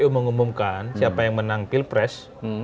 mengumumkan siapa yang menang pilpres